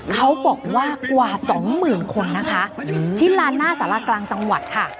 เขาบอกว่ากว่าสองหมื่นคนนะคะที่ลานหน้าสารากลางจังหวัดค่ะ